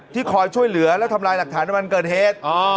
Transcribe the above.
คอยช่วยเหลือและทำลายหลักฐานในวันเกิดเหตุ